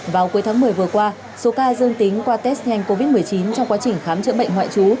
vào cuối tháng một mươi vừa qua số ca dương tính qua test nhanh covid một mươi chín trong quá trình khám chữa bệnh ngoại trú